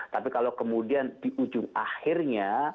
tapi kalau kemudian di ujung akhirnya